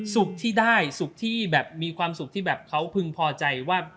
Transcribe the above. สุขที่ได้สุขที่แบบมีความสุขที่แบบเขาพึงพอใจว่า